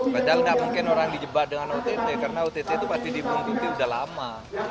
padahal nggak mungkin orang dijebak dengan ott karena ott itu pasti dipungkiti sudah lama